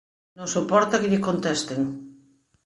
Non soporta que lle contesten.